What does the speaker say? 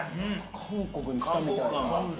韓国に来たみたいな。